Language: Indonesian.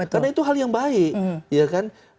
karena itu hal yang baik